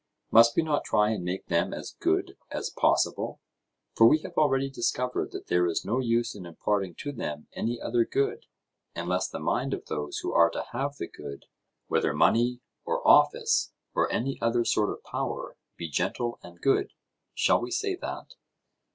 Must we not try and make them as good as possible? For we have already discovered that there is no use in imparting to them any other good, unless the mind of those who are to have the good, whether money, or office, or any other sort of power, be gentle and good. Shall we say that?